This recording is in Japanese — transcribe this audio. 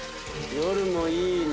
夜もいいね。